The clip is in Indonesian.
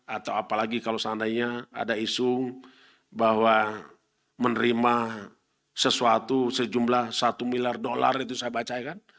atau apalagi kalau seandainya ada isu bahwa menerima sesuatu sejumlah satu miliar dolar itu saya baca kan